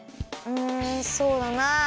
うんそうだな。